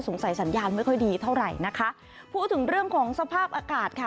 สัญญาณไม่ค่อยดีเท่าไหร่นะคะพูดถึงเรื่องของสภาพอากาศค่ะ